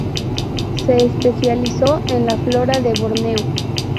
Se especializó en la flora de Borneo.